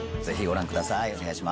ぜひご覧ください。